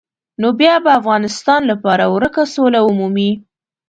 نو بیا به افغانستان خپله ورکه سوله ومومي.